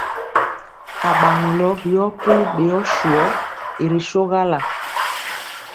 Aɓaŋɔlɔ yɔ kuli ɓeyɔ swɔ i ri sogala.